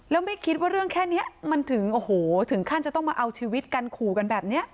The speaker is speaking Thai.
แล้วไม่คิดว่าเรื่องแค่นี้มันถึงโอ้โหถึงขั้นจะต้องมาเอาชีวิตกันขู่กันแบบนี้